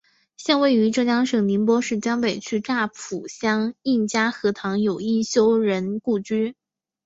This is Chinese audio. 现位于浙江省宁波市江北区乍浦乡应家河塘有应修人故居。